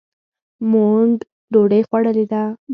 مونږ ډوډۍ خوړلې ده.